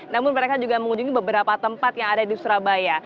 namun mereka juga mengunjungi beberapa tempat yang ada di surabaya